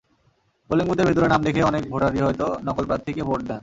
Polling বুথের ভেতরে নাম দেখে অনেক ভোটারই হয়তো নকল প্রার্থীকে ভোট দেন।